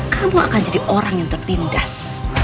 kamu akan jadi orang yang tertindas